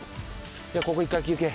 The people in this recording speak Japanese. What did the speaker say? じゃあここ一回休憩。